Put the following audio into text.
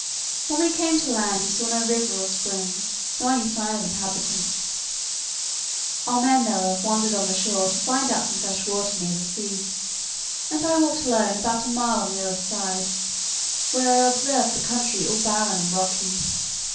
When we came to land we saw no river or spring, nor any sign of inhabitants. Our men therefore wandered on the shore to find out some fresh water near the sea, and I walked alone about a mile on the other side, where I observed the country all barren and rocky.